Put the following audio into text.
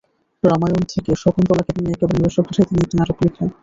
রামায়ণ থেকে শকুন্তলাকে নিয়ে একেবারে নিজস্ব ভাষায় তিনি একটি নাটক লিখলেন।